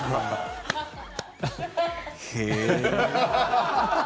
へえ。